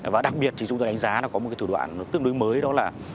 và đặc biệt thì chúng tôi đánh giá có một thủ đoạn tương đối mới đó là